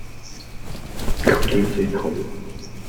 咁點算好